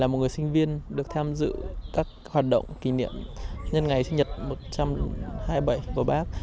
là một người sinh viên được tham dự các hoạt động kỷ niệm nhân ngày sinh nhật một trăm hai mươi bảy của bác